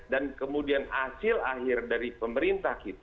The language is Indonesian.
dan kemudian hasil akhir dari pemerintah